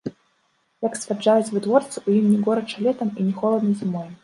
Як сцвярджаюць вытворцы, у ім не горача летам і не холадна зімой.